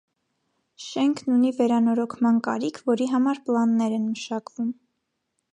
Շենքն ունի վերանորոգման կարիք, որի համար պլաններ են մշակվում։